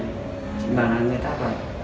chị bảo là người ta phải